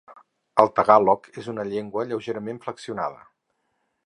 El tagàlog és una llengua lleugerament flexionada.